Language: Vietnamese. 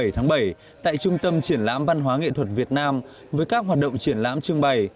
bảy tháng bảy tại trung tâm triển lãm văn hóa nghệ thuật việt nam với các hoạt động triển lãm trưng bày